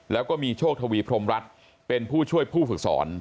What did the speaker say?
แล้วก็มีโชคทวีพรมรัฐเป็นผู้ช่วยผู้ฝึกสอน